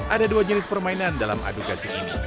ada dua jenis permainan dalam aduh gasing ini